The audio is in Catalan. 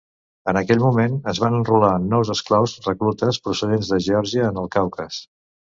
En aquell moment es van enrolar nous esclaus reclutes procedents de Geòrgia en el Caucas.